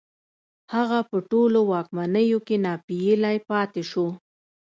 هغه په ټولو واکمنيو کې ناپېيلی پاتې شو